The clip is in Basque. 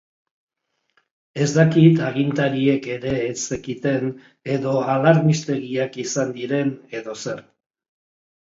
Ez dakit agintariek ere ez zekiten edo alarmistegiak izan diren edo zer.